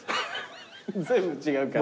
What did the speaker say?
全部違うから。